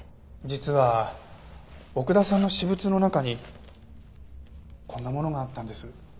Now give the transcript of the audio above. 実は奥田さんの私物の中にこんなものがあったんです。